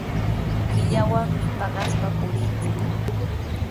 Killawanmi paqaspa purinchik.